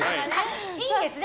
いいんですね？